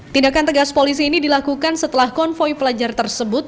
tindakan tegas polisi ini dilakukan setelah konvoy pelajar tersebut